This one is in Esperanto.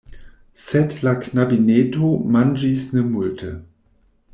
Sed la knabineto manĝis ne multe.